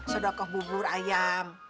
sodakoh bubur ayam